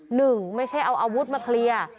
หนึ่งไม่ใช่เอาอาวุธมาเคลียร์